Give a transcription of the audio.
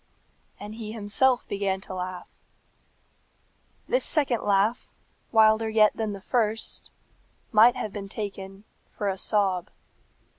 And he himself began to laugh. This second laugh, wilder yet than the first, might have been taken for a sob.